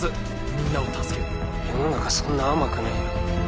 みんなを助ける世の中そんな甘くねえよ